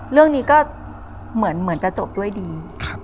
เรื่องนี้ก็เหมือนจะจบด้วยดี